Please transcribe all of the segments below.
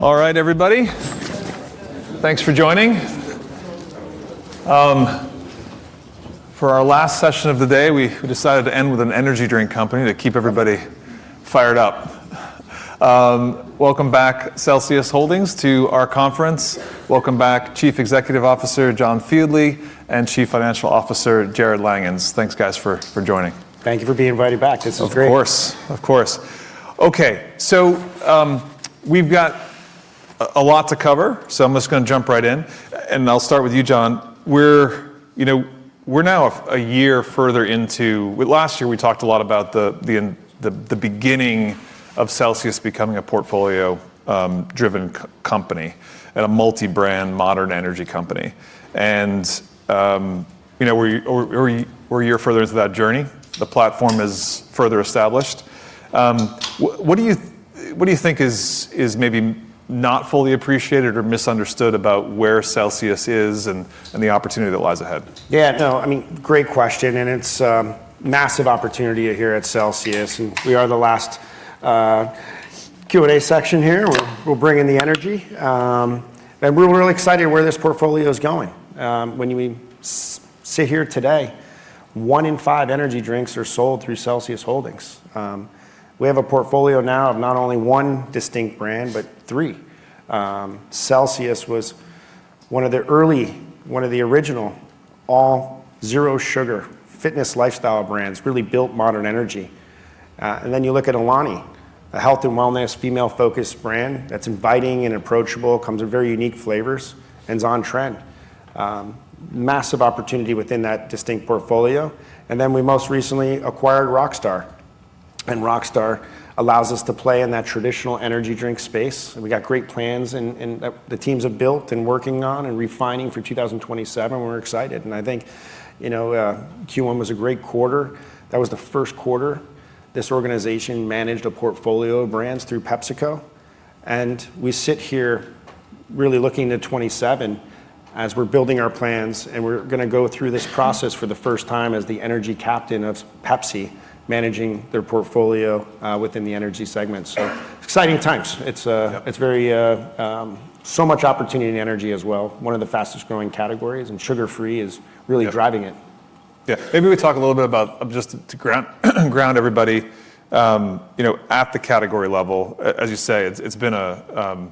All right, everybody. Thanks for joining. For our last session of the day, we decided to end with an energy drink company to keep everybody fired up. Welcome back, Celsius Holdings, Inc., to our conference. Welcome back, Chief Executive Officer, John Fieldly, and Chief Financial Officer, Jarrod Langhans. Thanks guys for joining. Thank you for being invited back. This is great. Of course. Okay. We've got a lot to cover, so I'm just going to jump right in, and I'll start with you, John. Last year, we talked a lot about the beginning of Celsius becoming a portfolio-driven company and a multi-brand modern energy company. We're a year further into that journey. The platform is further established. What do you think is maybe not fully appreciated or misunderstood about where Celsius is and the opportunity that lies ahead? Yeah, no, great question, and it's a massive opportunity here at Celsius, and we are the last Q&A section here. We'll bring in the energy. We're really excited where this portfolio is going. When we sit here today, one in five energy drinks are sold through Celsius Holdings. We have a portfolio now of not only one distinct brand, but three. Celsius was one of the original all zero sugar fitness lifestyle brands, really built modern energy. Then you look at Alani, a health and wellness female-focused brand that's inviting and approachable, comes with very unique flavors, and is on trend. Massive opportunity within that distinct portfolio. We most recently acquired Rockstar, and Rockstar allows us to play in that traditional energy drink space, and we got great plans, and the teams have built and working on and refining for 2027. We're excited, and I think Q1 was a great quarter. That was the first quarter this organization managed a portfolio of brands through PepsiCo, and we sit here really looking to 2027 as we're building our plans, and we're going to go through this process for the first time as the energy captain of Pepsi, managing their portfolio within the energy segment. Exciting times. Yeah. Much opportunity in the energy as well, one of the fastest-growing categories, and sugar-free is really driving it. Yeah. Maybe we talk a little bit about, just to ground everybody, at the category level, as you say, it's been a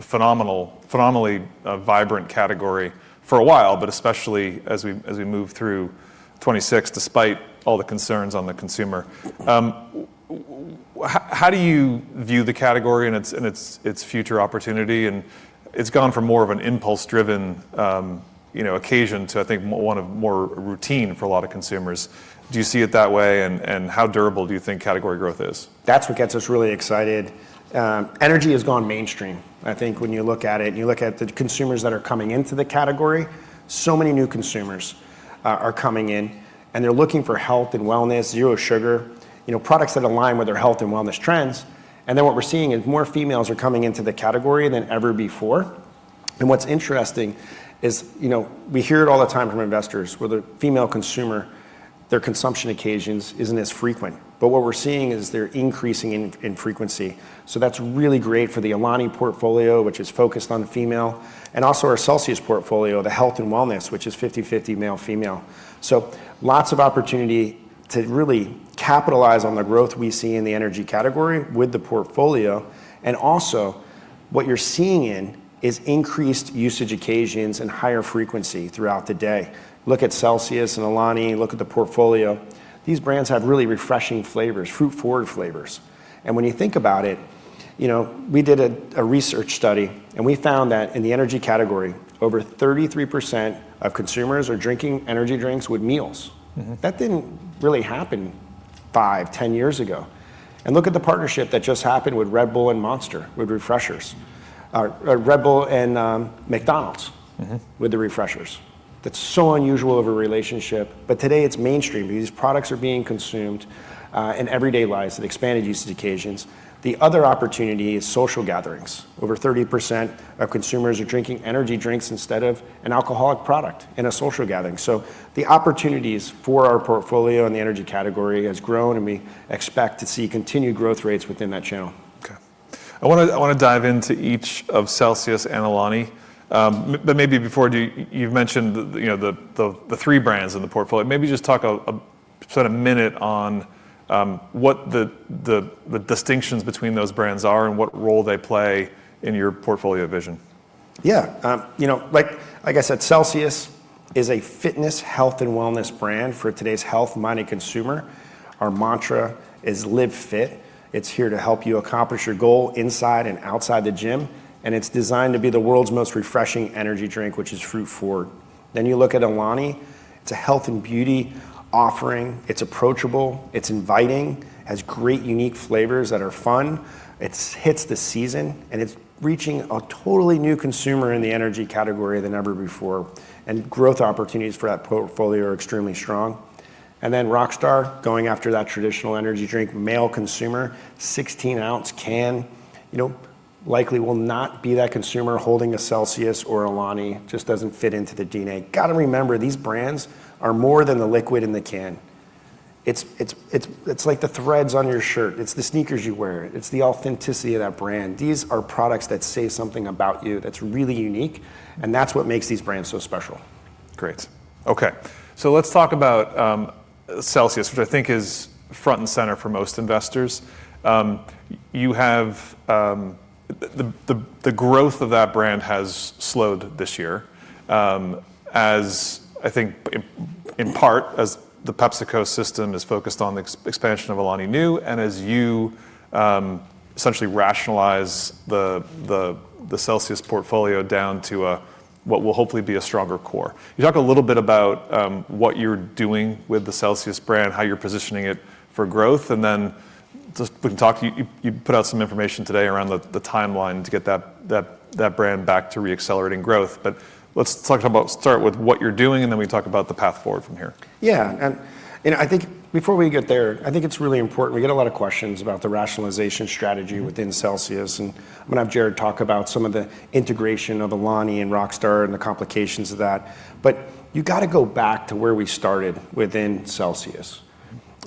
phenomenally vibrant category for a while, but especially as we move through 2026, despite all the concerns on the consumer. How do you view the category and its future opportunity? It's gone from more of an impulse-driven occasion to, I think, more routine for a lot of consumers. Do you see it that way, and how durable do you think category growth is? That's what gets us really excited. Energy has gone mainstream. I think when you look at it and you look at the consumers that are coming into the category, so many new consumers are coming in, they're looking for health and wellness, zero sugar, products that align with their health and wellness trends. What we're seeing is more females are coming into the category than ever before. What's interesting is we hear it all the time from investors, where the female consumer, their consumption occasions isn't as frequent. What we're seeing is they're increasing in frequency. That's really great for the Alani portfolio, which is focused on female, and also our Celsius portfolio, the health and wellness, which is 50/50 male/female. Lots of opportunity to really capitalize on the growth we see in the energy category with the portfolio. Also, what you're seeing in is increased usage occasions and higher frequency throughout the day. Look at Celsius and Alani, look at the portfolio. These brands have really refreshing flavors, fruit-forward flavors. When you think about it, we did a research study, and we found that in the energy category, over 33% of consumers are drinking energy drinks with meals. That didn't really happen five, 10 years ago. Look at the partnership that just happened with Red Bull and Monster, with refreshers. Red Bull and McDonald's. With the refreshers. That's so unusual of a relationship, but today it's mainstream. These products are being consumed in everyday lives at expanded usage occasions. The other opportunity is social gatherings. Over 30% of consumers are drinking energy drinks instead of an alcoholic product in a social gathering. The opportunities for our portfolio in the energy category has grown, and we expect to see continued growth rates within that channel. Okay. I want to dive into each of Celsius and Alani. Maybe before, you've mentioned the three brands in the portfolio. Maybe just talk a minute on what the distinctions between those brands are and what role they play in your portfolio vision. Yeah. Like I said, Celsius is a fitness, health, and wellness brand for today's health-minded consumer. Our mantra is "Live fit." It's here to help you accomplish your goal inside and outside the gym, and it's designed to be the world's most refreshing energy drink, which is fruit-forward. You look at Alani, it's a health and beauty offering. It's approachable, it's inviting, has great unique flavors that are fun. It hits the season, and it's reaching a totally new consumer in the energy category than ever before, and growth opportunities for that portfolio are extremely strong. Rockstar, going after that traditional energy drink male consumer, 16-ounce can, likely will not be that consumer holding a Celsius or Alani. Just doesn't fit into the DNA. Got to remember, these brands are more than the liquid in the can. It's like the threads on your shirt, it's the sneakers you wear, it's the authenticity of that brand. These are products that say something about you that's really unique, and that's what makes these brands so special. Great. Okay. Let's talk about Celsius, which I think is front and center for most investors. The growth of that brand has slowed this year, I think, in part as the PepsiCo system is focused on the expansion of Alani Nu and as you essentially rationalize the Celsius portfolio down to what will hopefully be a stronger core. Can you talk a little bit about what you're doing with the Celsius brand, how you're positioning it for growth, and then just we can talk, you put out some information today around the timeline to get that brand back to re-accelerating growth. Let's start with what you're doing, and then we talk about the path forward from here. Yeah. I think before we get there, I think it's really important, we get a lot of questions about the rationalization strategy within Celsius, and I'm going to have Jarrod talk about some of the integration of Alani and Rockstar and the complications of that. You got to go back to where we started within Celsius.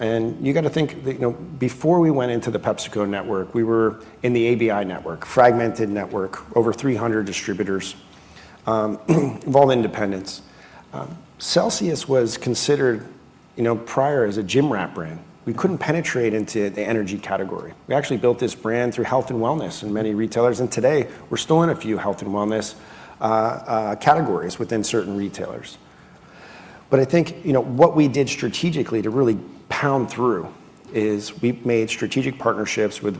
You got to think that before we went into the PepsiCo network, we were in the ABI network, fragmented network, over 300 distributors, of all independents. Celsius was considered prior as a gym rat brand. We couldn't penetrate into the energy category. We actually built this brand through health and wellness in many retailers, and today we're still in a few health and wellness categories within certain retailers. I think what we did strategically to really pound through is we made strategic partnerships with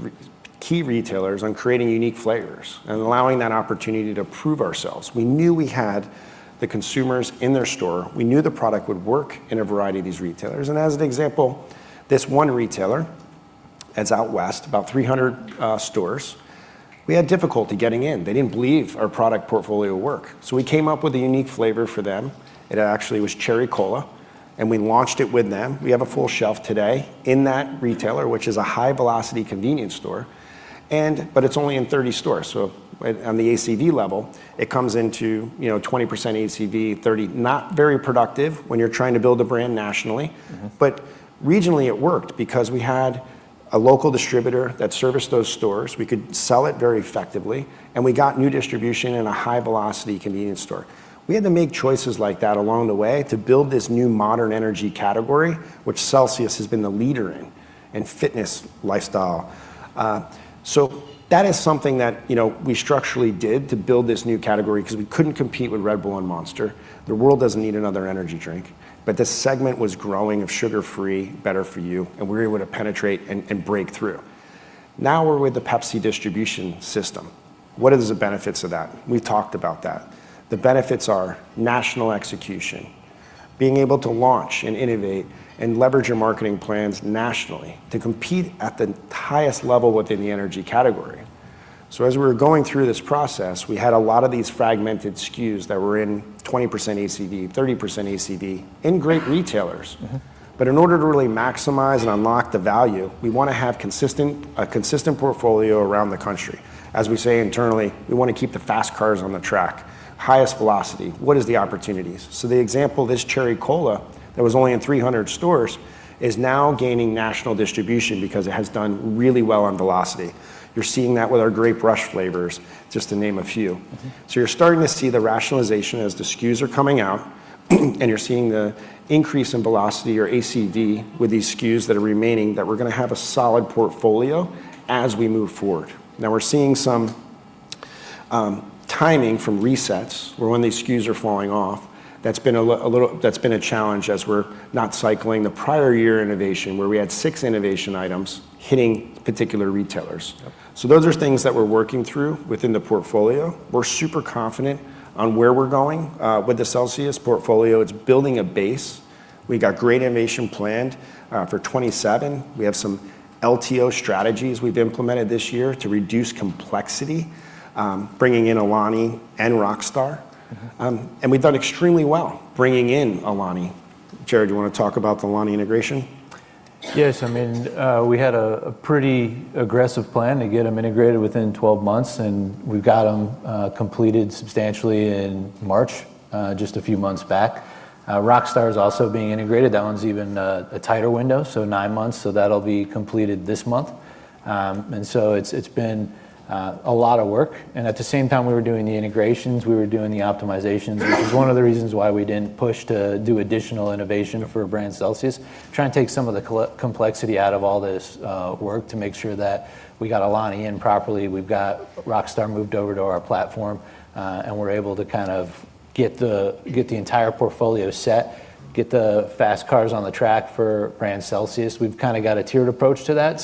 key retailers on creating unique flavors and allowing that opportunity to prove ourselves. We knew we had the consumers in their store. We knew the product would work in a variety of these retailers. As an example, this one retailer that's out west, about 300 stores, we had difficulty getting in. They didn't believe our product portfolio work. We came up with a unique flavor for them. It actually was cherry cola, and we launched it with them. We have a full shelf today in that retailer, which is a high-velocity convenience store. It's only in 30 stores, so on the ACV level, it comes into 20% ACV, 30. Not very productive when you're trying to build a brand nationally. Regionally, it worked because we had a local distributor that serviced those stores. We could sell it very effectively, and we got new distribution in a high-velocity convenience store. We had to make choices like that along the way to build this new modern energy category, which Celsius has been the leader in, and fitness lifestyle. That is something that we structurally did to build this new category because we couldn't compete with Red Bull and Monster. The world doesn't need another energy drink. This segment was growing of sugar-free, better for you, and we were able to penetrate and break through. Now we're with the PepsiCo distribution system. What is the benefits of that? We talked about that. The benefits are national execution, being able to launch and innovate and leverage your marketing plans nationally to compete at the highest level within the energy category. As we were going through this process, we had a lot of these fragmented SKUs that were in 20% ACV, 30% ACV, in great retailers. In order to really maximize and unlock the value, we want to have a consistent portfolio around the country. As we say internally, we want to keep the fast cars on the track, highest velocity. What is the opportunities? The example, this cherry cola that was only in 300 stores is now gaining national distribution because it has done really well on velocity. You're seeing that with our Sparkling Grape Rush, just to name a few. You're starting to see the rationalization as the SKUs are coming out and you're seeing the increase in velocity or ACV with these SKUs that are remaining, that we're going to have a solid portfolio as we move forward. We're seeing some timing from resets, where when these SKUs are falling off, that's been a challenge as we're not cycling the prior year innovation where we had six innovation items hitting particular retailers. Yep. Those are things that we're working through within the portfolio. We're super confident on where we're going. With the Celsius portfolio, it's building a base. We've got great innovation planned for 2027. We have some LTO strategies we've implemented this year to reduce complexity, bringing in Alani and Rockstar. We've done extremely well bringing in Alani. Jarrod, do you want to talk about the Alani integration? Yes, we had a pretty aggressive plan to get them integrated within 12 months, and we've got them completed substantially in March, just a few months back. Rockstar is also being integrated. That one's even a tighter window, so nine months, so that'll be completed this month. It's been a lot of work, and at the same time we were doing the integrations, we were doing the optimizations which is one of the reasons why we didn't push to do additional innovation. For brand Celsius. Try and take some of the complexity out of all this work to make sure that we got Alani in properly, we've got Rockstar moved over to our platform, and we're able to kind of get the entire portfolio set, get the fast cars on the track for brand Celsius. We've kind of got a tiered approach to that.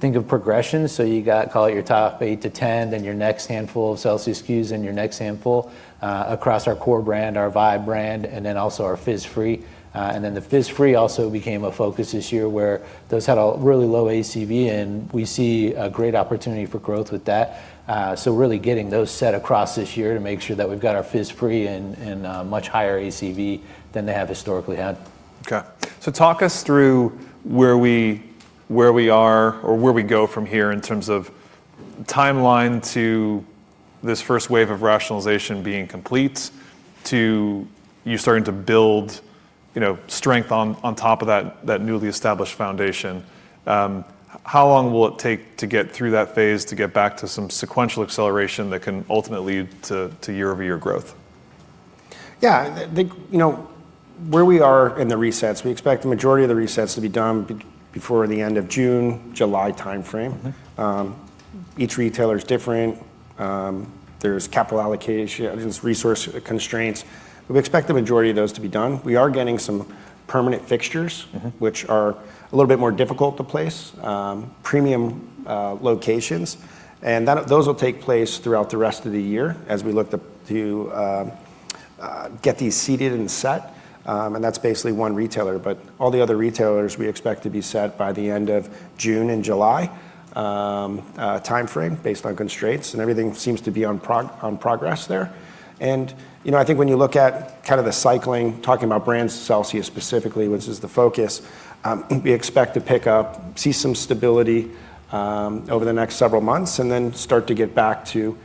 Think of progression, so you got, call it, your top eight to 10, then your next handful of Celsius SKUs, and your next handful across our core brand, our VIBE brand, and then also our Fizz-Free. The Fizz-Free also became a focus this year, where those had a really low ACV, and we see a great opportunity for growth with that. Really getting those set across this year to make sure that we've got our fizz-free in a much higher ACV than they have historically had. Talk us through where we are or where we go from here in terms of timeline to this first wave of rationalization being complete, to you starting to build strength on top of that newly established foundation, how long will it take to get through that phase to get back to some sequential acceleration that can ultimately lead to year-over-year growth? Yeah. Where we are in the resets, we expect the majority of the resets to be done before the end of June, July timeframe. Each retailer is different. There's capital allocation, there's resource constraints, but we expect the majority of those to be done. We are getting some permanent fixtures. Which are a little bit more difficult to place. Premium locations. Those will take place throughout the rest of the year as we look to get these seated and set, and that's basically one retailer. All the other retailers, we expect to be set by the end of June and July timeframe, based on constraints, and everything seems to be on progress there. I think when you look at the cycling, talking about brands, Celsius specifically, which is the focus, we expect to pick up, see some stability over the next several months, and then start to get back to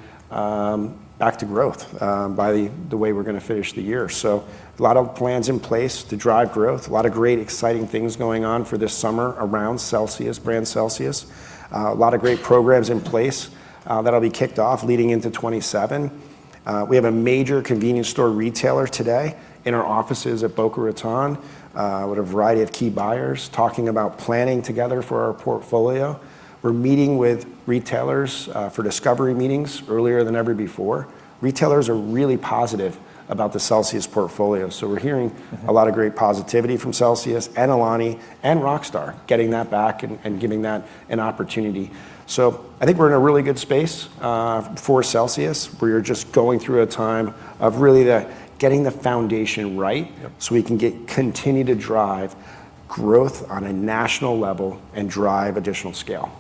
growth by the way we're going to finish the year. A lot of plans in place to drive growth. A lot of great exciting things going on for this summer around Celsius, brand Celsius. A lot of great programs in place that'll be kicked off leading into 2027. We have a major convenience store retailer today in our offices at Boca Raton, with a variety of key buyers talking about planning together for our portfolio. We're meeting with retailers for discovery meetings earlier than ever before. Retailers are really positive about the Celsius portfolio. We're hearing a lot of great positivity from Celsius and Alani and Rockstar, getting that back and giving that an opportunity. I think we're in a really good space for Celsius. We are just going through a time of really getting the foundation right. Yep. We can continue to drive growth on a national level and drive additional scale.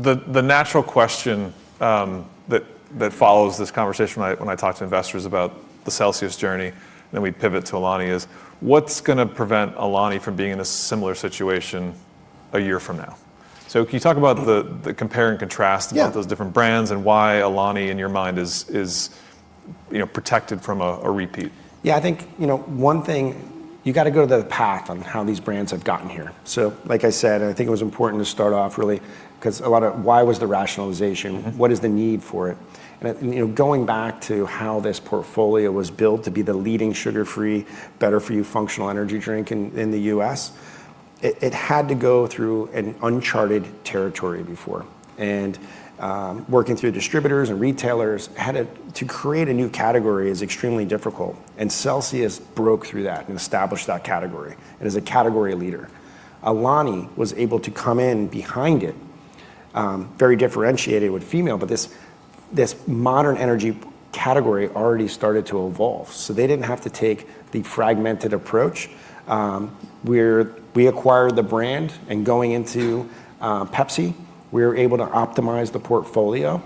The natural question that follows this conversation when I talk to investors about the Celsius journey, and then we pivot to Alani is, what's going to prevent Alani from being in a similar situation a year from now? Can you talk about the compare and contrast? Yeah. About those different brands and why Alani, in your mind, is protected from a repeat? Yeah, I think one thing, you got to go to the path on how these brands have gotten here. Like I said, and I think it was important to start off really because a lot of why was the rationalization? What is the need for it? Going back to how this portfolio was built to be the leading sugar-free, better-for-you functional energy drink in the U.S., it had to go through an uncharted territory before. Working through distributors and retailers, to create a new category is extremely difficult. Celsius broke through that and established that category and is a category leader. Alani was able to come in behind it, very differentiated with female, this modern energy category already started to evolve, so they didn't have to take the fragmented approach, where we acquired the brand and going into Pepsi, we were able to optimize the portfolio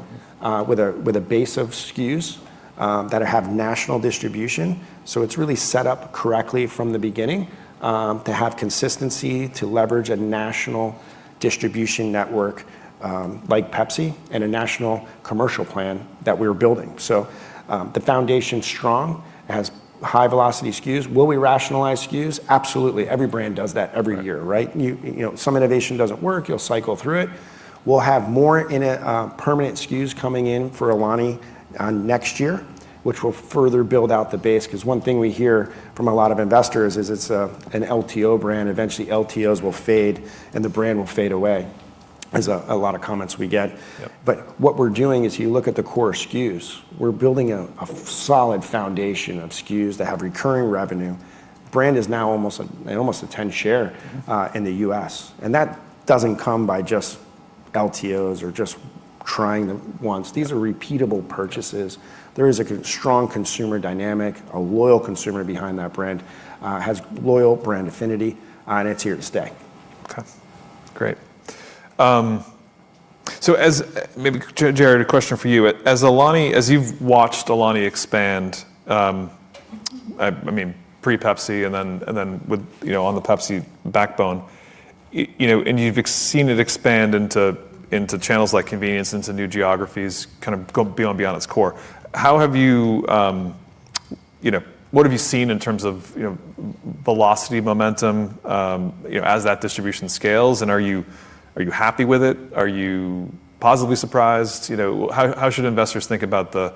with a base of SKUs that have national distribution. It's really set up correctly from the beginning, to have consistency, to leverage a national distribution network like Pepsi and a national commercial plan that we're building. The foundation's strong, it has high velocity SKUs. Will we rationalize SKUs? Absolutely. Every brand does that every year, right? Right. Some innovation doesn't work, you'll cycle through it. We'll have more permanent SKUs coming in for Alani next year, which will further build out the base, because one thing we hear from a lot of investors is it's an LTO brand. Eventually, LTOs will fade, and the brand will fade away, is a lot of comments we get. Yep. What we're doing is you look at the core SKUs. We're building a solid foundation of SKUs that have recurring revenue. The brand is now almost a 10 share. in the U.S., and that doesn't come by just LTOs or just trying them once. These are repeatable purchases. There is a strong consumer dynamic, a loyal consumer behind that brand. It has loyal brand affinity, and it's here to stay. Okay. Great. Maybe, Jarrod, a question for you. As you've watched Alani expand, pre-Pepsi and then on the Pepsi backbone, and you've seen it expand into channels like convenience, into new geographies, kind of go beyond its core. What have you seen in terms of velocity, momentum, as that distribution scales, and are you happy with it? Are you positively surprised? How should investors think about the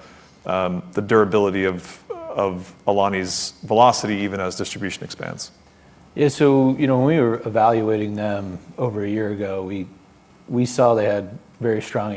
durability of Alani Nu's velocity, even as distribution expands? When we were evaluating them over a year ago, we saw they had very strong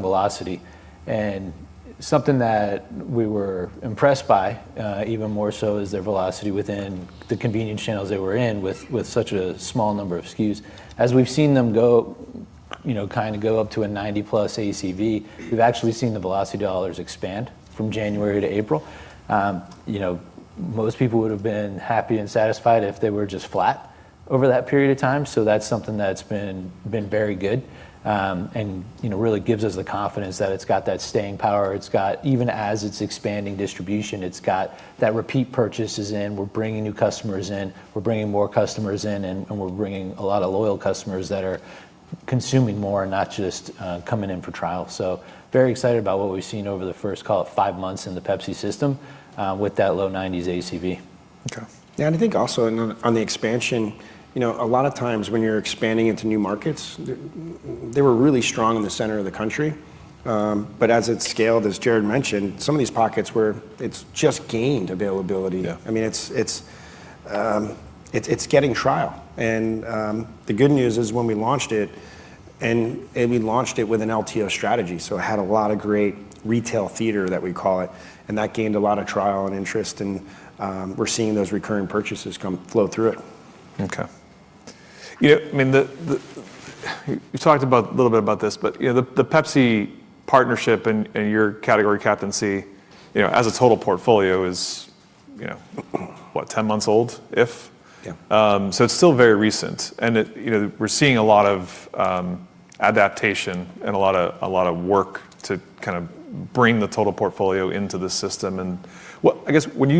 velocity, and something that we were impressed by, even more so, is their velocity within the convenience channels they were in with such a small number of SKUs. As we've seen them go up to a 90-plus ACV, we've actually seen the velocity dollars expand from January to April. Most people would've been happy and satisfied if they were just flat. Over that period of time, that's something that's been very good. Really gives us the confidence that it's got that staying power. Even as it's expanding distribution, it's got that repeat purchases in. We're bringing new customers in, we're bringing more customers in, we're bringing a lot of loyal customers that are consuming more, not just coming in for trial. Very excited about what we've seen over the first, call it five months, in the PepsiCo system, with that low 90s ACV. Okay. Yeah, I think also on the expansion, a lot of times when you're expanding into new markets, they were really strong in the center of the country, as it's scaled, as Jarrod mentioned, some of these pockets where it's just gained availability. Yeah. It's getting trial. The good news is when we launched it, we launched it with an LTO strategy. It had a lot of great retail theater that we call it. That gained a lot of trial and interest and we're seeing those recurring purchases flow through it. Okay. You talked a little bit about this, but the PepsiCo partnership and your category captaincy, as a total portfolio is what, 10 months old, if? Yeah. It's still very recent and we're seeing a lot of adaptation and a lot of work to kind of bring the total portfolio into the system and I guess, when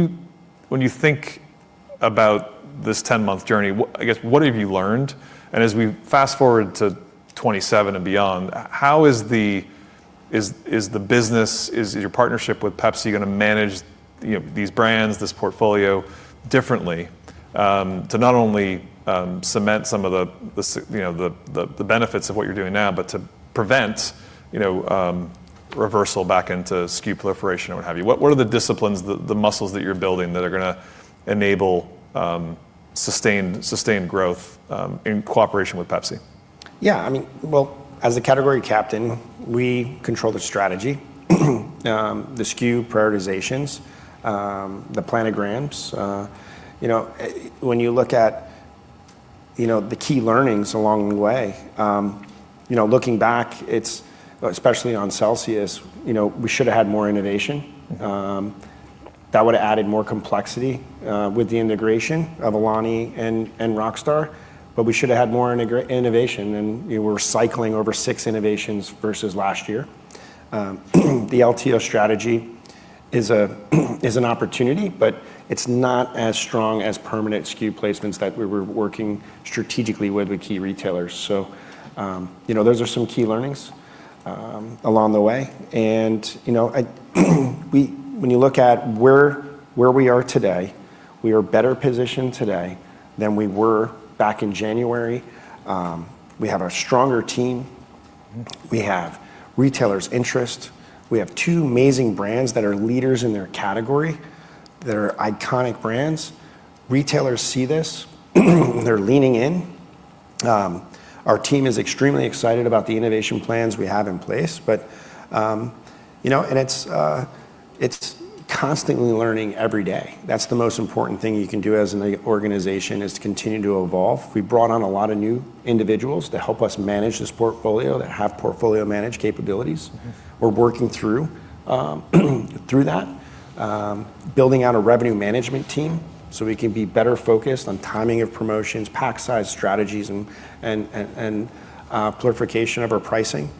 you think about this 10-month journey, I guess, what have you learned? As we fast-forward to 2027 and beyond, how is the business, is your partnership with PepsiCo going to manage these brands, this portfolio differently, to not only cement some of the benefits of what you're doing now, but to prevent reversal back into SKU proliferation or what have you? What are the disciplines, the muscles that you're building that are going to enable sustained growth in cooperation with PepsiCo? Yeah, as a category captain, we control the strategy, the SKU prioritizations, the planograms. When you look at the key learnings along the way, looking back, especially on Celsius, we should've had more innovation, That would've added more complexity with the integration of Alani and Rockstar. We should've had more innovation and we're cycling over six innovations versus last year. The LTO strategy is an opportunity. It's not as strong as permanent SKU placements that we were working strategically with the key retailers. Those are some key learnings along the way. When you look at where we are today, we are better positioned today than we were back in January. We have a stronger team. We have retailers' interest. We have two amazing brands that are leaders in their category, that are iconic brands. Retailers see this. They're leaning in. Our team is extremely excited about the innovation plans we have in place. It's constantly learning every day. That's the most important thing you can do as an organization, is to continue to evolve. We brought on a lot of new individuals to help us manage this portfolio, that have portfolio management capabilities. We're working through that. Building out a revenue management team so we can be better focused on timing of promotions, pack size strategies, and proliferation of our pricing.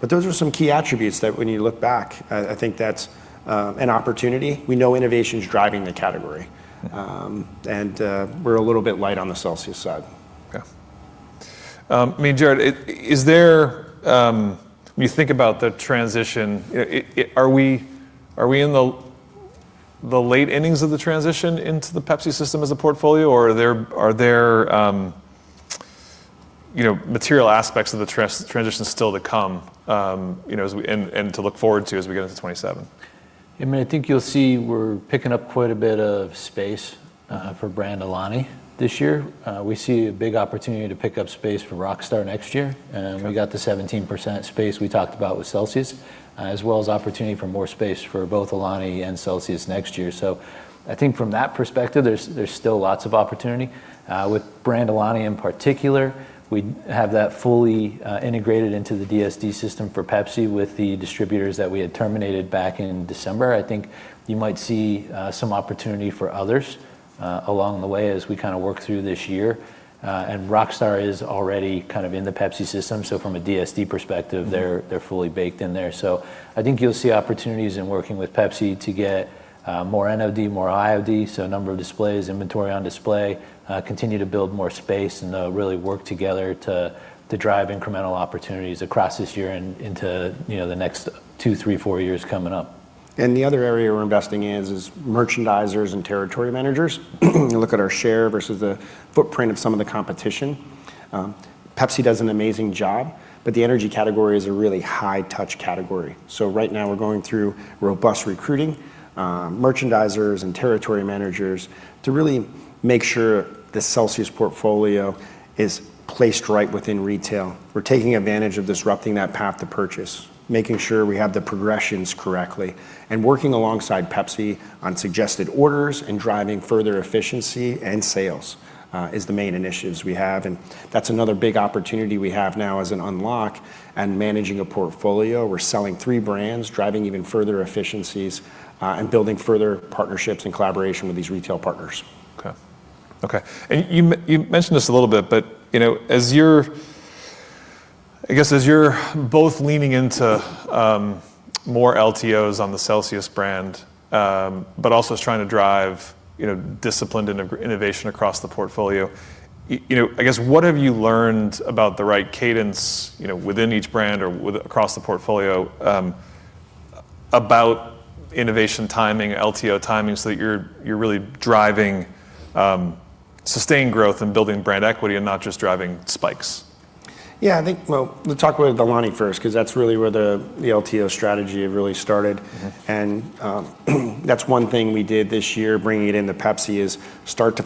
Those are some key attributes that when you look back, I think that's an opportunity. We know innovation's driving the category, and we're a little bit light on the Celsius side. Okay. Jarrod, when you think about the transition, are we in the late innings of the transition into the PepsiCo system as a portfolio, or are there material aspects of the transition still to come, and to look forward to as we get into 2027? I think you'll see we're picking up quite a bit of space for brand Alani this year. We see a big opportunity to pick up space for Rockstar next year. Okay. We got the 17% space we talked about with Celsius, as well as opportunity for more space for both Alani and Celsius next year. I think from that perspective, there's still lots of opportunity. With brand Alani in particular, we have that fully integrated into the DSD system for Pepsi with the distributors that we had terminated back in December. I think you might see some opportunity for others along the way as we kind of work through this year. Rockstar is already kind of in the Pepsi system, so from a DSD perspective. They're fully baked in there. I think you'll see opportunities in working with PepsiCo to get more NOD, more IOD, so number of displays, inventory on display, continue to build more space and really work together to drive incremental opportunities across this year and into the next two, three, four years coming up. The other area we're investing in is merchandisers and territory managers. You look at our share versus the footprint of some of the competition. PepsiCo does an amazing job, but the energy category is a really high touch category. Right now we're going through robust recruiting, merchandisers and territory managers to really make sure the Celsius portfolio is placed right within retail. We're taking advantage of disrupting that path to purchase, making sure we have the progressions correctly, and working alongside PepsiCo on suggested orders and driving further efficiency and sales, is the main initiatives we have. That's another big opportunity we have now as an unlock and managing a portfolio. We're selling three brands, driving even further efficiencies, and building further partnerships and collaboration with these retail partners. Okay. You mentioned this a little bit, but as you're both leaning into more LTOs on the Celsius brand, but also trying to drive disciplined innovation across the portfolio, what have you learned about the right cadence within each brand or across the portfolio about innovation timing, LTO timing, so that you're really driving sustained growth and building brand equity and not just driving spikes? I think, well, let's talk about the Alani Nu first, because that's really where the LTO strategy really started. That's one thing we did this year, bringing it into Pepsi, is start to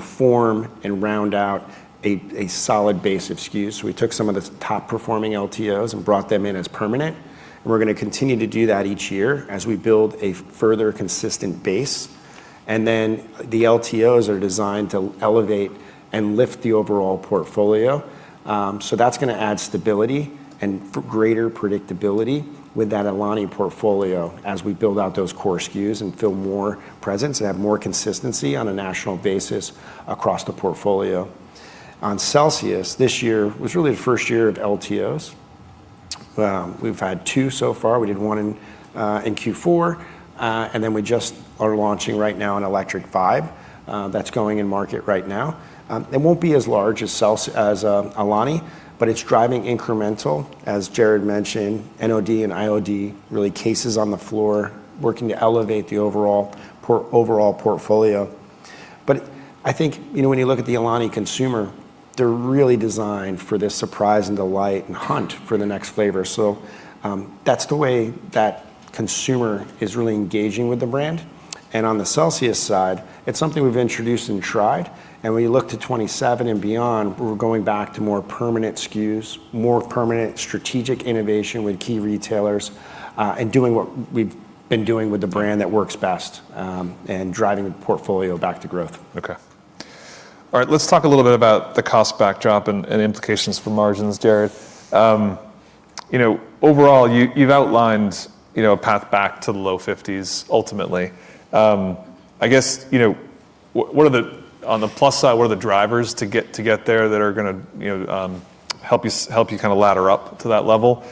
form and round out a solid base of SKUs. We took some of the top-performing LTOs and brought them in as permanent, and we're going to continue to do that each year as we build a further consistent base. The LTOs are designed to elevate and lift the overall portfolio. That's going to add stability and greater predictability with that Alani Nu portfolio as we build out those core SKUs and fill more presence and have more consistency on a national basis across the portfolio. On Celsius, this year was really the first year of LTOs. We've had two so far. We did one in Q4, and then we just are launching right now a CELSIUS Electric Vibe that's going in market right now. It won't be as large as Alani Nu, but it's driving incremental, as Jarrod mentioned, NOD and IOD, really cases on the floor, working to elevate the overall portfolio. I think when you look at the Alani Nu consumer, they're really designed for this surprise and delight and hunt for the next flavor. That's the way that consumer is really engaging with the brand. On the Celsius side, it's something we've introduced and tried, when you look to 2027 and beyond, we're going back to more permanent SKUs, more permanent strategic innovation with key retailers, and doing what we've been doing with the brand that works best, and driving the portfolio back to growth. Okay. All right. Let's talk a little bit about the cost backdrop and implications for margins, Jarrod. Overall, you've outlined a path back to the low 50% ultimately. I guess, on the plus side, what are the drivers to get there that are going to help you kind of ladder up to that level?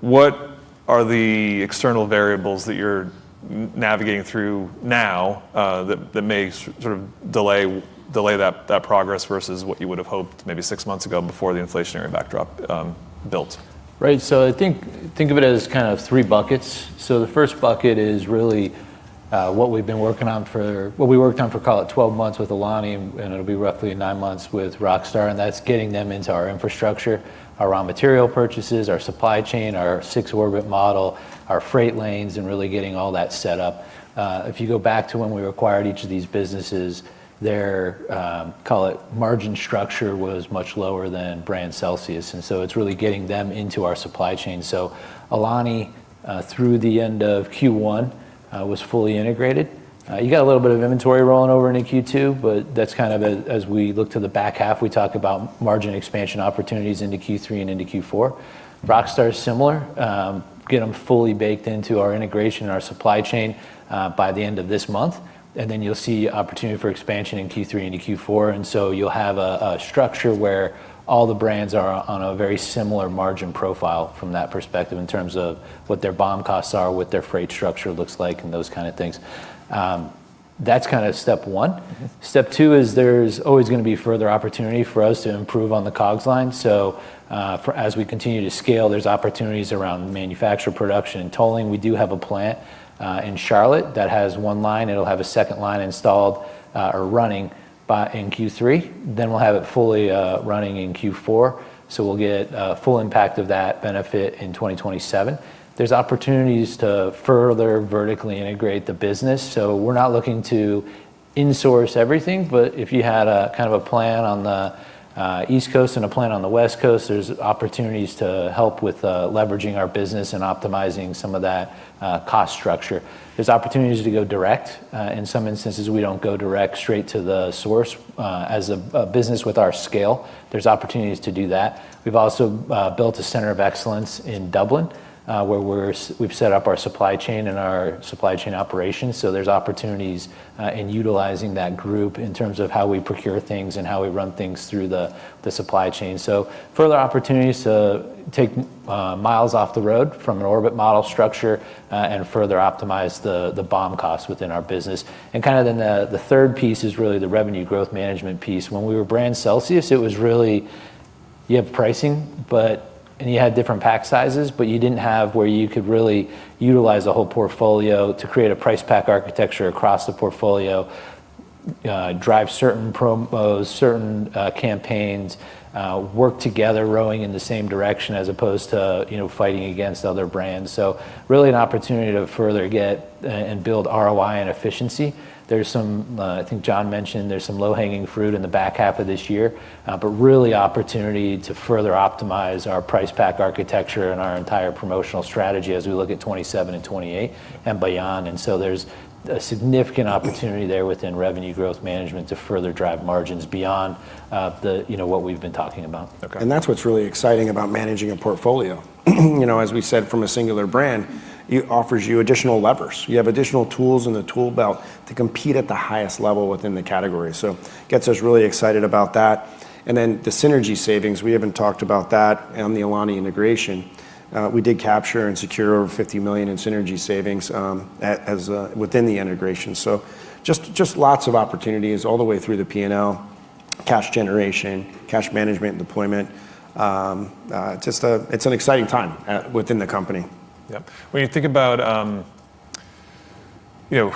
What are the external variables that you're navigating through now that may sort of delay that progress versus what you would have hoped maybe six months ago before the inflationary backdrop built? Right. I think of it as kind of three buckets. The first bucket is really what we worked on for, call it 12 months with Alani Nu, and it'll be roughly nine months with Rockstar, that's getting them into our infrastructure, our raw material purchases, our supply chain, our six orbit model, our freight lanes, and really getting all that set up. If you go back to when we acquired each of these businesses, their, call it, margin structure was much lower than brand Celsius, it's really getting them into our supply chain. Alani Nu, through the end of Q1, was fully integrated. You got a little bit of inventory rolling over into Q2, that's kind of as we look to the back half, we talk about margin expansion opportunities into Q3 and into Q4. Rockstar is similar. Get them fully baked into our integration and our supply chain by the end of this month, and then you'll see opportunity for expansion in Q3 into Q4, and so you'll have a structure where all the brands are on a very similar margin profile from that perspective in terms of what their BOM costs are, what their freight structure looks like, and those kind of things. That's kind of step one. Step two is there's always going to be further opportunity for us to improve on the COGS line. As we continue to scale, there's opportunities around manufacture, production, and tolling. We do have a plant in Charlotte that has one line. It'll have a second line installed or running in Q3, then we'll have it fully running in Q4, so we'll get a full impact of that benefit in 2027. There's opportunities to further vertically integrate the business. We're not looking to insource everything, but if you had a kind of a plant on the East Coast and a plant on the West Coast, there's opportunities to help with leveraging our business and optimizing some of that cost structure. There's opportunities to go direct. In some instances, we don't go direct straight to the source. As a business with our scale, there's opportunities to do that. We've also built a center of excellence in Dublin, where we've set up our supply chain and our supply chain operations. There's opportunities in utilizing that group in terms of how we procure things and how we run things through the supply chain. Further opportunities to take miles off the road from an orbit model structure and further optimize the BOM cost within our business. The third piece is really the revenue growth management piece. When we were brand Celsius, it was really, you have pricing, and you had different pack sizes, but you didn't have where you could really utilize the whole portfolio to create a price pack architecture across the portfolio, drive certain promos, certain campaigns, work together, rowing in the same direction as opposed to fighting against other brands. Really an opportunity to further get and build ROI and efficiency. I think John mentioned there's some low-hanging fruit in the back half of this year, but really opportunity to further optimize our price pack architecture and our entire promotional strategy as we look at 2027 and 2028 and beyond, and so there's a significant opportunity there within revenue growth management to further drive margins beyond what we've been talking about. Okay. That's what's really exciting about managing a portfolio. As we said, from a singular brand, it offers you additional levers. You have additional tools in the tool belt to compete at the highest level within the category. Gets us really excited about that. The synergy savings, we haven't talked about that and the Alani Nu integration. We did capture and secure over $50 million in synergy savings within the integration. Just lots of opportunities all the way through the P&L, cash generation, cash management and deployment. It's an exciting time within the company. Yep. When you think about the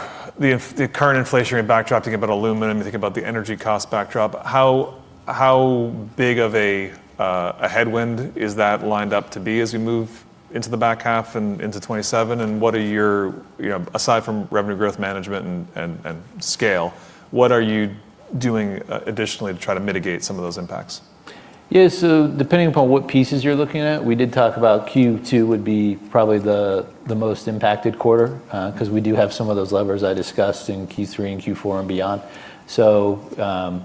current inflationary backdrop, think about aluminum, you think about the energy cost backdrop, how big of a headwind is that lined up to be as we move into the back half and into 2027? Aside from revenue growth management and scale, what are you doing additionally to try to mitigate some of those impacts? Depending upon what pieces you're looking at, we did talk about Q2 would be probably the most impacted quarter, because we do have some of those levers I discussed in Q3 and Q4 and beyond.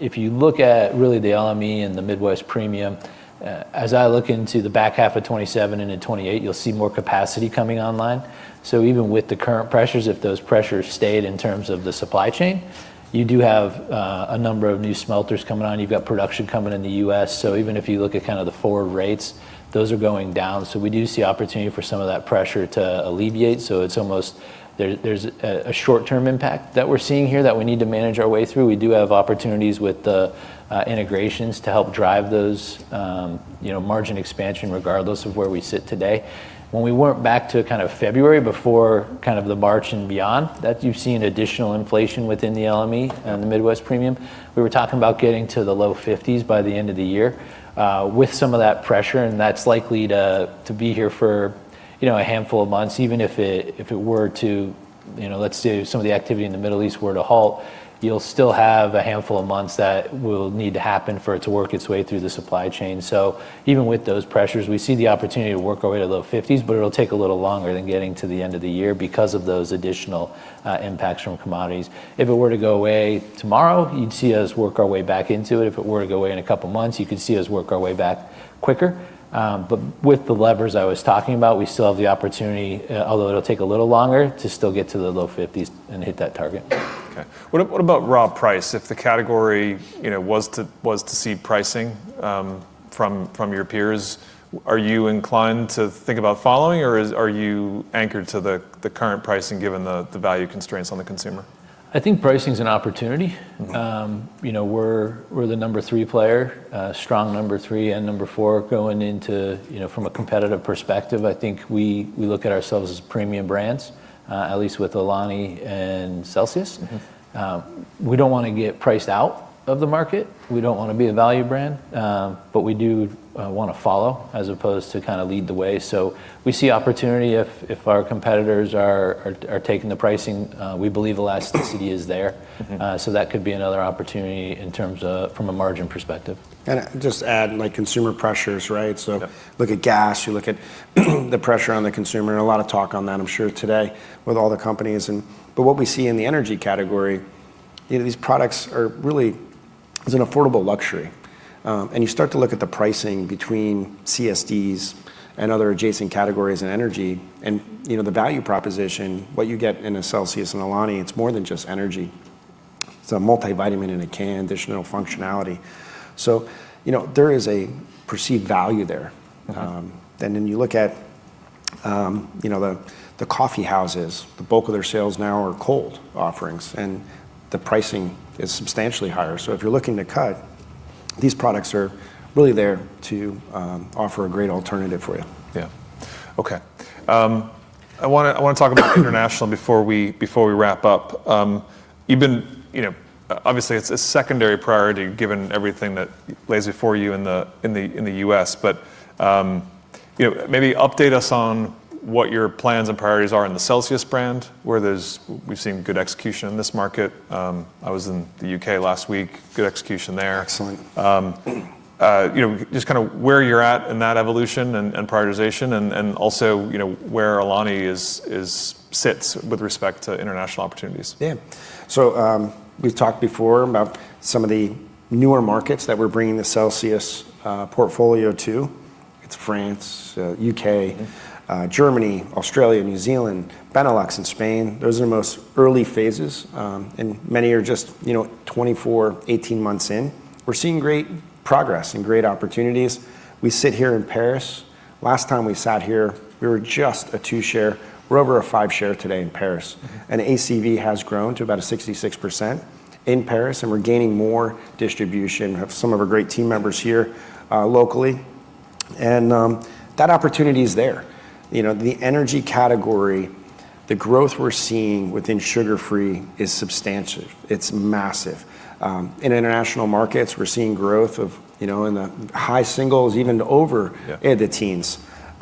If you look at really the LME and the Midwest premium, as I look into the back half of 2027 and into 2028, you'll see more capacity coming online. Even with the current pressures, if those pressures stayed in terms of the supply chain, you do have a number of new smelters coming on. You've got production coming in the U.S. Even if you look at the forward rates, those are going down. We do see opportunity for some of that pressure to alleviate. There's a short-term impact that we're seeing here that we need to manage our way through. We do have opportunities with the integrations to help drive those margin expansion, regardless of where we sit today. When we went back to February, before the March and beyond, that you've seen additional inflation within the LME and the Midwest premium. We were talking about getting to the low 50s by the end of the year with some of that pressure, and that's likely to be here for a handful of months, even if it were to, let's say some of the activity in the Middle East were to halt, you'll still have a handful of months that will need to happen for it to work its way through the supply chain. Even with those pressures, we see the opportunity to work our way to low 50s, but it'll take a little longer than getting to the end of the year because of those additional impacts from commodities. If it were to go away tomorrow, you'd see us work our way back into it. If it were to go away in a couple of months, you could see us work our way back quicker. With the levers I was talking about, we still have the opportunity, although it'll take a little longer to still get to the low 50s and hit that target. What about raw price? If the category was to see pricing from your peers, are you inclined to think about following, or are you anchored to the current pricing given the value constraints on the consumer? I think pricing's an opportunity. We're the number three player, strong number three and number four going into, from a competitive perspective, I think we look at ourselves as premium brands, at least with Alani and Celsius. We don't want to get priced out of the market. We don't want to be a value brand. We do want to follow as opposed to lead the way. We see opportunity if our competitors are taking the pricing. We believe elasticity is there. That could be another opportunity in terms of from a margin perspective. Just add, consumer pressures, right? Yeah. Look at gas, you look at the pressure on the consumer, and a lot of talk on that, I'm sure today with all the companies. What we see in the energy category, these products are really an affordable luxury. You start to look at the pricing between CSDs and other adjacent categories in energy and the value proposition, what you get in a Celsius and Alani, it's more than just energy. It's a multivitamin in a can, additional functionality. There is a perceived value there. Then you look at the coffee houses. The bulk of their sales now are cold offerings, and the pricing is substantially higher. If you're looking to cut, these products are really there to offer a great alternative for you. Yeah. Okay. I want to talk about international before we wrap up. Obviously, it's a secondary priority given everything that lays before you in the U.S., but maybe update us on what your plans and priorities are in the Celsius brand, where we've seen good execution in this market. I was in the U.K. last week. Good execution there. Excellent. Just kind of where you're at in that evolution and prioritization and also where Alani sits with respect to international opportunities. We've talked before about some of the newer markets that we're bringing the Celsius portfolio to. It's France, U.K., Germany, Australia, New Zealand, Benelux and Spain. Those are the most early phases. Many are just 24, 18 months in. We're seeing great progress and great opportunities. We sit here in Paris. Last time we sat here, we were just a two share. We're over a five share today in Paris. ACV has grown to about a 66% in Paris, and we're gaining more distribution. Have some of our great team members here locally. That opportunity is there. The energy category, the growth we're seeing within sugar-free is substantial. It's massive. In international markets, we're seeing growth in the high singles, even over- Yeah. into teens.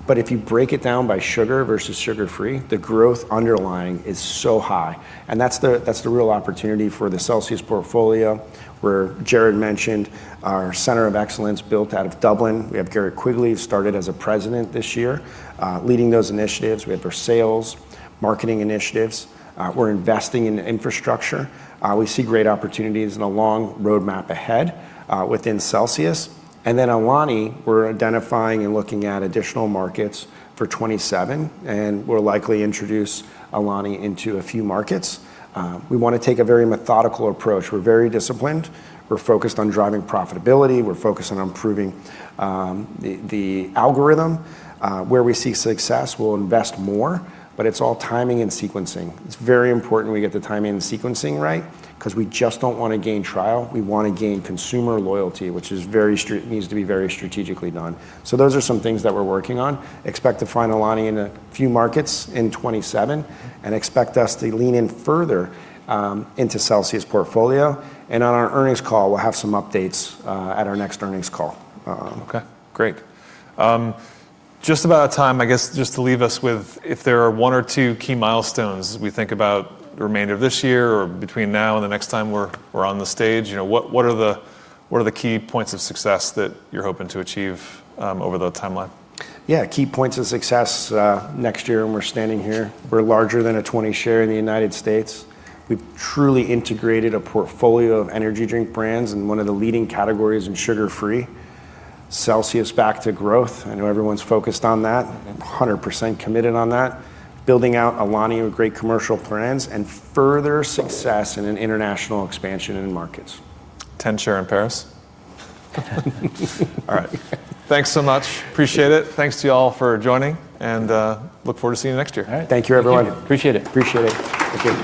If you break it down by sugar versus sugar-free, the growth underlying is so high, and that's the real opportunity for the Celsius portfolio, where Jarrod mentioned our center of excellence built out of Dublin. We have Garrett Quigley, who started as a President this year, leading those initiatives. We have our sales, marketing initiatives. We're investing in infrastructure. We see great opportunities and a long roadmap ahead within Celsius. Alani, we're identifying and looking at additional markets for 2027, and we'll likely introduce Alani into a few markets. We want to take a very methodical approach. We're very disciplined. We're focused on driving profitability. We're focused on improving the algorithm. Where we see success, we'll invest more, but it's all timing and sequencing. It's very important we get the timing and sequencing right, because we just don't want to gain trial, we want to gain consumer loyalty, which needs to be very strategically done. Those are some things that we're working on. Expect to find Alani in a few markets in 2027, and expect us to lean in further into Celsius portfolio. On our earnings call, we'll have some updates at our next earnings call. Okay, great. Just about out of time, I guess, just to leave us with, if there are one or two key milestones as we think about the remainder of this year or between now and the next time we're on the stage, what are the key points of success that you're hoping to achieve over the timeline? Yeah, key points of success next year when we're standing here, we're larger than a 20 share in the United States. We've truly integrated a portfolio of energy drink brands in one of the leading categories in sugar-free. Celsius back to growth. I know everyone's focused on that. 100% committed on that. Building out Alani with great commercial plans, and further success in an international expansion in markets. 10 share in Paris? All right. Thanks so much. Appreciate it. Thanks to you all for joining, and look forward to seeing you next year. All right. Thank you, everyone. Thank you. Appreciate it. Appreciate it. Thank you.